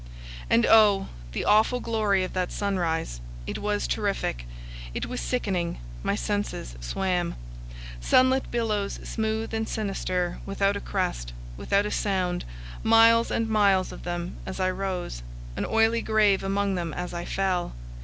And oh! the awful glory of that sunrise! It was terrific; it was sickening; my senses swam. Sunlit billows smooth and sinister, without a crest, without a sound; miles and miles of them as I rose; an oily grave among them as I fell.